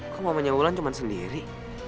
kok momennya ulan cuma sendiri